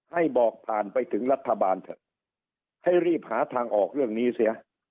ให้บอกผ่านไปถึงรัฐบาลเถอะให้รีบหาทางออกเรื่องนี้เสีย